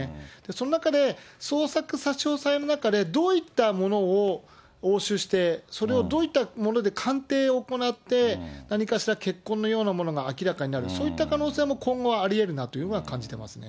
その中で、捜索差し押さえの中で、どういったものを押収して、それをどういったもので鑑定を行って、何かしら血痕のようなものも明らかになる、そういった可能性も今後はありえるなというのは感じてますね。